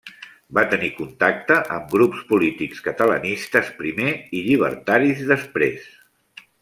Va tenir contacte amb grups polítics catalanistes primer i llibertaris després.